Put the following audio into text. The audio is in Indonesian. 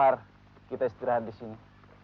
kau har kita istirahat di sini